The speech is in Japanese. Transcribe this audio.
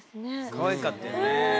かわいかったよね。